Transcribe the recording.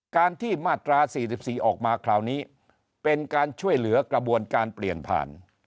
การที่มาตรา๔๔ออกมาคราวนี้เป็นการช่วยเหลือกระบวนการเปลี่ยนผ่าน